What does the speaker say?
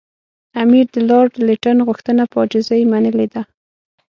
امیر د لارډ لیټن غوښتنه په عاجزۍ منلې ده.